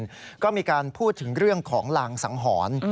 แล้วก็มีการพูดถึงเรื่องของลางสังหรณ์